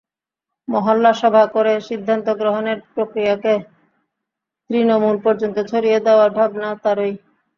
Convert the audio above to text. মহল্লা সভা করে সিদ্ধান্ত গ্রহণের প্রক্রিয়াকে তৃণমূল পর্যন্ত ছড়িয়ে দেওয়ার ভাবনা তাঁরই।